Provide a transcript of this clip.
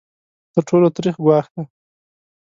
تر ټولو تریخ ګواښ دی.